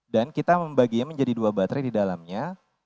dan kita membaginya menjadi dua baterai di dalamnya